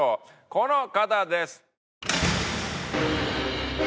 この方です！